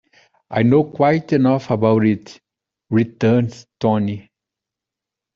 "I know quite enough about it," returns Tony.